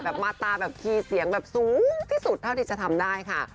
มาตาแบบคีย์เสียงแบบสูงที่สุดเท่าที่จะทำได้ค่ะ